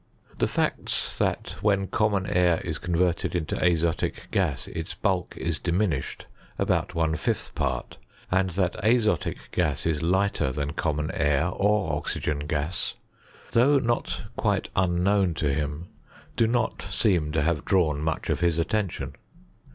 The facts that when common air is converted into azotic gas its bulk is diminished about one fifth part, and that azotic gas is lighter than common air or oxygen gas, though not quite unknown to him, do not seem to have drawn much of his attention.